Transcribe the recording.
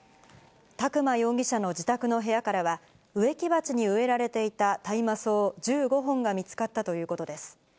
宅間容疑者の自宅の部屋からは、植木鉢に植えられていた大麻草１５本が見つかったということです。